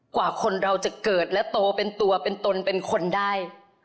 กว่าคนเราจะเกิดและโตเป็นตัวเป็นตนเป็นคนได้